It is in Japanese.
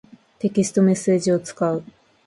テキストメッセージを使う。